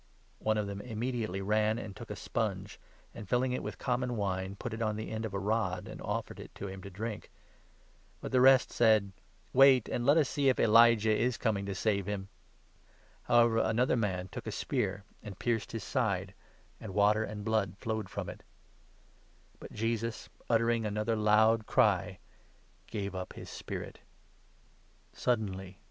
" One of them immediately ran and took a sponge, and, filling 48 it with common wine, put it on the end of a rod, and offered it to him to drink. But the rest said : 49 " Wait and let us see if Elijah is coming to save him." [However another man took a spear, and pierced his side ; and water and blood flowed from it.] But Jesus, uttering 50 another loud cry, gave up his spirit. Suddenly the 51 « Ps. 69. 21. 35 ps. 22. jg. 39 ps. 22. 7. 43 ps. 22. 8. « Ps.